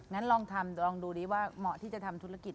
งั้นลองทำลองดูดิว่าเหมาะที่จะทำธุรกิจ